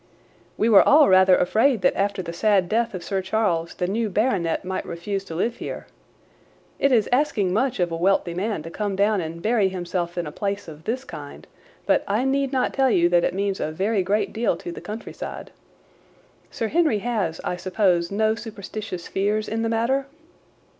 "We were all rather afraid that after the sad death of Sir Charles the new baronet might refuse to live here. It is asking much of a wealthy man to come down and bury himself in a place of this kind, but I need not tell you that it means a very great deal to the countryside. Sir Henry has, I suppose, no superstitious fears in the matter?"